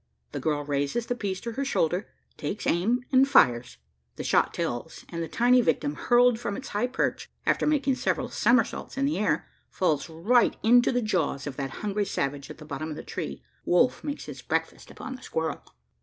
The girl raises the piece to her shoulder, takes aim, and fires. The shot tells; and the tiny victim, hurled from its high perch after making several somersaults in the air falls right into the jaws of that hungry savage at the bottom of the tree. Wolf makes his breakfast upon the squirrel.